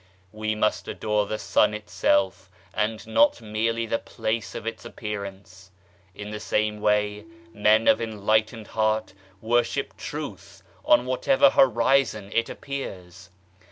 We must adore the Sun itself and not merely the place of its appearance. In the same way men of enlightened heart worship Truth on whatever horizon it appears.